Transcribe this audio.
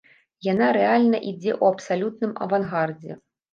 Яна рэальна ідзе ў абсалютным авангардзе.